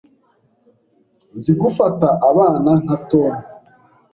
Nzi gufata abana nka Tom.